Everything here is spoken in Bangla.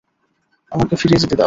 আমাকে ফিরে যেতে দাও।